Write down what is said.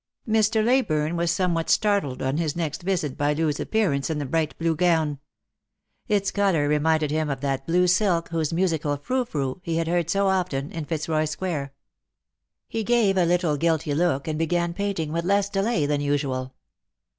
Mr. Leyburne was somewhat startled on his next visit by Loo's appearance in the bright blue gown. Its colour reminded him of that blue silk whose musical frou frou he had heard so often in Pitzroy square. He gave a little guilty look, and began fainting with less delay than usual.